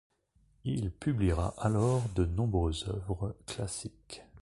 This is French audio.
Il publiera alors de nombreuses œuvres classiques.